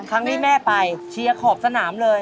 ครั้งนี้แม่ไปเชียร์ขอบสนามเลย